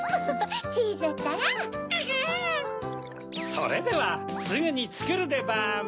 それではすぐにつくるでバーム！